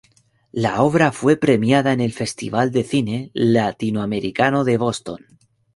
La obra fue premiada en el Festival de Cine Latinoamericano de Boston.